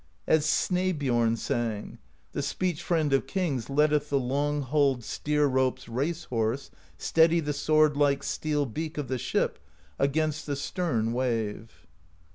As Snaebjorn sang: The Speech Friend of Kings letteth The long hulled steer rope's Race Horse Steady the swordlike steel beak Of the ship against the stern wave.